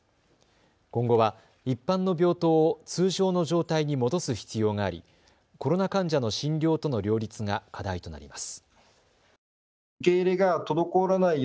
今後は一般の病棟を通常の状態に戻す必要がありコロナ患者の診療との両立が課題となります。